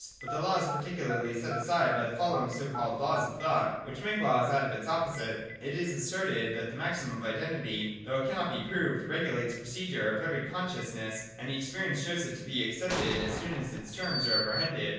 But the Law is particularly set aside by the following so called Laws of Thought, which make laws out of its opposite. — It is asserted that the maxim of Identity, though it cannot be proved, regulates the procedure of every consciousness, and that experience shows it to be accepted as soon as its terms are apprehended.